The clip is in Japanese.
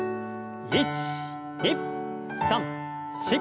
１２３４。